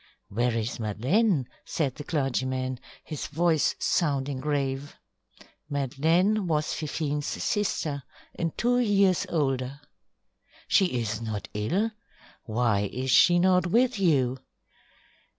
"Where is Madeleine?" said the clergyman, his voice sounding grave. Madeleine was Fifine's sister, and two years older. "She is not ill? Why is she not with you?"